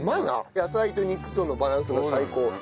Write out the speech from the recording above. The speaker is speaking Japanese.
野菜と肉とのバランスが最高。